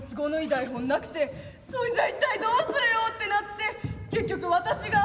台本なくてそれじゃ一体どうするよってなって結局私が。